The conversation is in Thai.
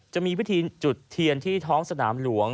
จะมีพิธีจุดเทียนที่ท้องสนามหลวง